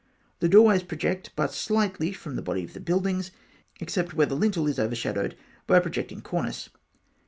The doorways project but slightly from the body of the buildings (fig. 54), except where the lintel is over shadowed by a projecting cornice.